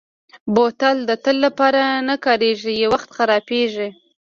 بوتل د تل لپاره نه کارېږي، یو وخت خرابېږي.